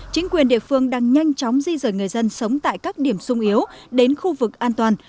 chính quyền địa phương đang nhanh chóng di rời người dân sống tại các điểm sung yếu đến khu vực an toàn